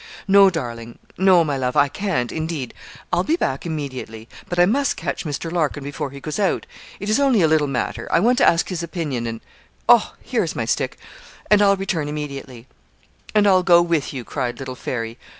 'No, darling; no, my love I can't, indeed. I'll be back immediately; but I must catch Mr. Larkin before he goes out. It is only a little matter I want to ask his opinion and oh! here is my stick and I'll return immediately.' 'And I'll go with you,' cried little Fairy.